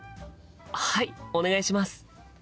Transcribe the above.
はいお願いします！